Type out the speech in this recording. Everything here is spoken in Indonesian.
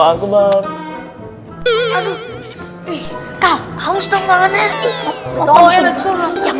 aduh haus dong tangannya